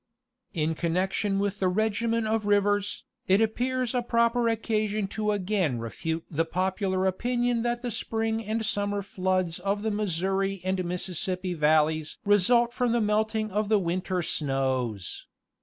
In connection with the regimen of rivers, it appears a proper occasion to again refute the popular opinion that the spring and summer floods of the Missouri and Mississippi valleys result from the melting of the winter snows.